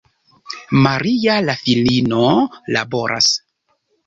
Maria, la filino, laboras.